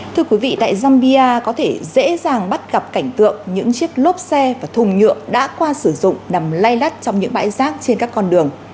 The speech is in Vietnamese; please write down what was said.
thưa quý vị tại zambia có thể dễ dàng bắt gặp cảnh tượng những chiếc lốp xe và thùng nhựa đã qua sử dụng nằm lay lắt trong những bãi rác trên các con đường